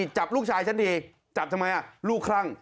จับลูกชายฉันดีจับทำไมลูกคลั่ง